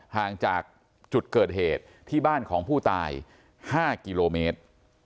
ห่างจากจุดเกิดเหตุที่บ้านของผู้ตาย๕กิโลเมตร